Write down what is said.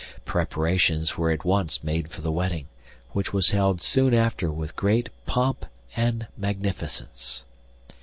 Preparations were at once made for the wedding, which was held soon after with great pomp and magnificence.